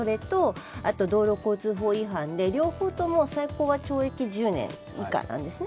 あと道路交通法違反で両方とも最高は懲役１０年以下なんですね。